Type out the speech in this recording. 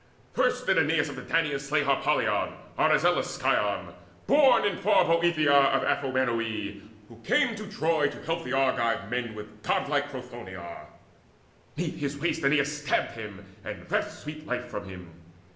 First did Aeneas of the Danaans slay Harpalion, Arizelus' scion, born In far Boeotia of Amphinome, Who came to Troy to help the Argive men With godlike Prothoenor. 'Neath his waist Aeneas stabbed, and reft sweet life from him.